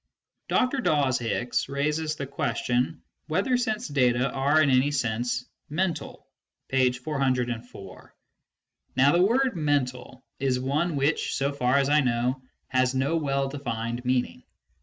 Dr. Dawes Hicks raises the question whether sense data are in any sense "mental" (p. 404). Now the word "mental" is one which, so far as I know, has no well defined meaning.